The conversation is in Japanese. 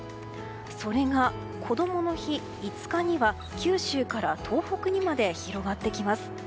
それがこどもの日、５日には九州から東北にまで広がってきます。